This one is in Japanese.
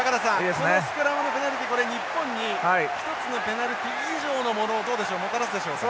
このスクラムのペナルティこれ日本に一つのペナルティ以上のものをどうでしょうもたらすでしょうか。